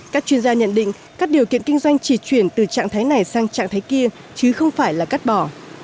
các chuyên gia nhận định các điều kiện kinh doanh chỉ chuyển từ trạng thái này sang trạng thái kia chứ không phải là cắt bỏ